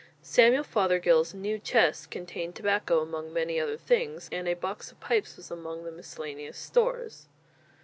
Samuel Fothergill's "new chest" contained tobacco among many other things; and a box of pipes was among the miscellaneous stores.